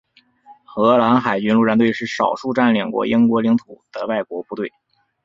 荷兰海军陆战队是少数占领过英国领土的外国部队。